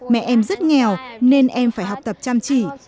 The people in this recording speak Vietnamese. mẹ em rất nghèo nên em phải học tập chăm chỉ